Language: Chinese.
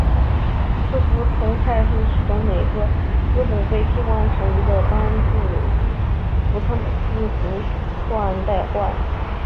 字符串同态是使得每个字母被替代为一个单一字符串的字符串代换。